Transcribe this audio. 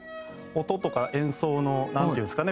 音とか演奏のなんていうんですかね。